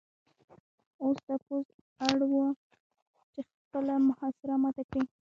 اوس دا پوځ اړ و چې خپله محاصره ماته کړي